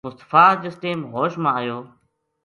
مصطفی جس ٹیم ہوش ما آیو